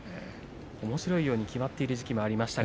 おもしろいようにきまっている時期もありました。